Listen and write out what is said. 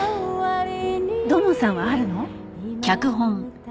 土門さんはあるの？